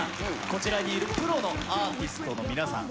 こちらにいるプロのアーティストの皆さん